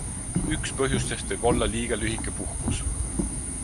Üks põhjustest võib olla liiga lühike puhkus.